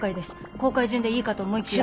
公開順でいいかと思いきや。